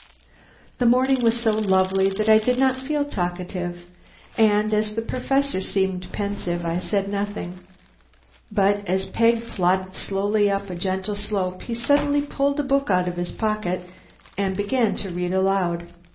The morning was so lovely that I did not feel talkative, and as the Professor seemed pensive I said nothing. But as Peg plodded slowly up a gentle slope he suddenly pulled a book out of his pocket and began to read aloud.